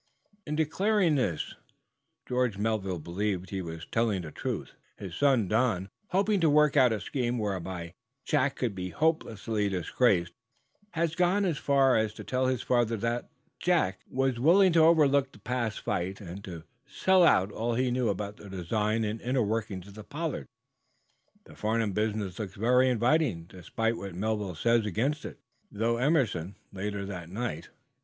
In declaring this George Melville believed he was telling the truth. His son, Don, hoping to work out a scheme whereby Jack could be hopelessly disgraced, had gone as far as to tell his father that Jack was willing to overlook the past fight, and to "sell out" all he knew about the design and inner workings of the "Pollard." "The Farnum business looks very inviting, despite what Melville says against it," thought Broughton Emerson, later that night.